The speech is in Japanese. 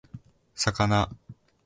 魚